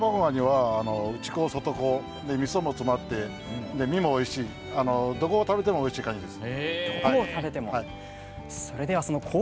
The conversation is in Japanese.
香箱ガニは内子、外子みそも詰まって、身もおいしいどこを食べてもおいしいカニです。